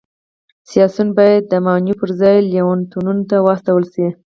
سیاسیون باید د ماڼیو پرځای لېونتونونو ته واستول شي